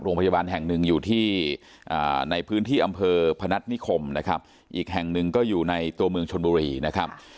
โรงพยาบาลแห่งหนึ่งอยู่ที่ในพื้นที่อำเภอพนัฐนิคมนะครับอีกแห่งหนึ่งก็อยู่ในตัวเมืองชนบุรีนะครับ